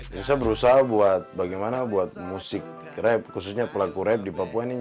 saya berusaha bagaimana buat musik rap khususnya pelaku rap di papua ini